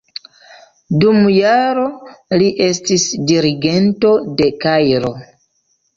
Dum jaro li estis dirigento en Kairo.